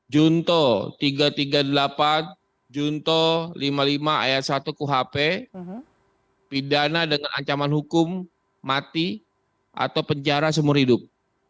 junto tiga ratus tiga puluh delapan junto lima puluh lima ayat satu kuhp pidana dengan ancaman hukum mati atau penjara seumur hidup